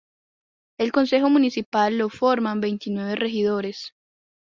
El consejo municipal lo forman veintinueve regidores.